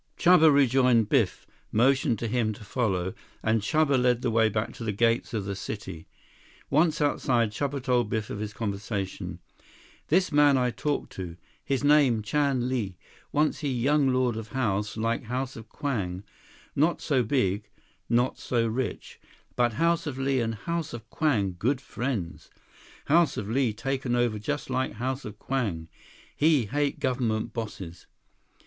Chuba rejoined Biff, motioned to him to follow, and Chuba led the way back to the gates of the city. Once outside, Chuba told Biff of his conversation. "This man I talk to. His name Chan Li. Once he young lord of house like House of Kwang. Not so big. Not so rich. But House of Li and House of Kwang good friends. House of Li taken over just like House of Kwang. He hate government bosses."